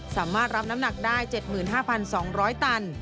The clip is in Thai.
สามารถรับน้ำหนักได้๗๕๒๐๐ตัน